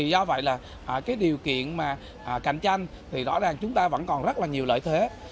do vậy điều kiện cạnh tranh chúng ta vẫn còn rất nhiều lợi thế